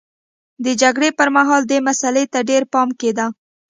د جګړې پرمهال دې مسئلې ته ډېر پام کېده